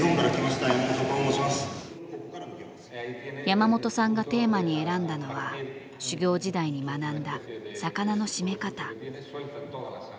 山本さんがテーマに選んだのは修業時代に学んだ魚の締め方。